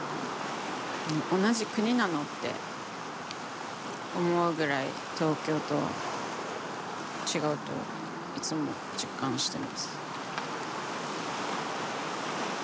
「同じ国なの？」って思うぐらい東京とは違うといつも実感してます。